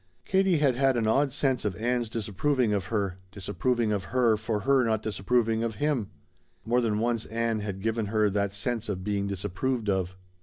Katie had had an odd sense of Ann's disapproving of her disapproving of her for her not disapproving of him. More than once Ann had given her that sense of being disapproved of.